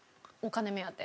金目当て！？